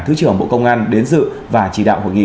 thứ trưởng bộ công an đến dự và chỉ đạo hội nghị